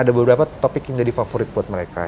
ada beberapa topik yang jadi favorit buat mereka